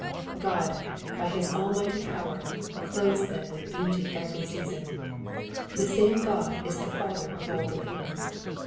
God, by His almighty power, clothes them with beauty every season. The same Qod is the Father of all believers.